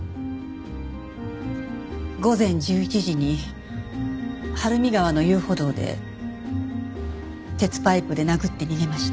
午前１１時に晴海川の遊歩道で鉄パイプで殴って逃げました。